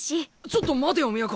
ちょっと待てよ都。